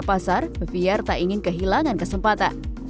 setelah terima pasar fiar tak ingin kehilangan kesempatan